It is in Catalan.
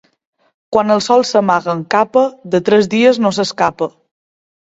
Quan el sol s'amaga amb capa, de tres dies no s'escapa.